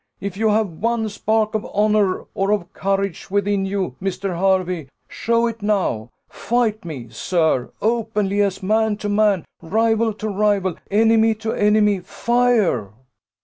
If you have one spark of honour or of courage within you, Mr. Hervey, show it now fight me, sir, openly as man to man, rival to rival, enemy to enemy fire."